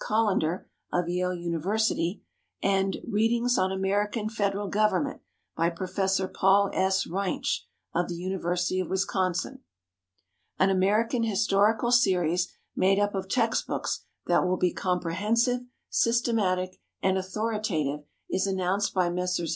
Collender, of Yale University; and "Readings on American Federal Government," by Professor Paul S. Reinsch, of the University of Wisconsin. An "American Historical Series" made up of text books that will be comprehensive, systematic and authoritative, is announced by Messrs.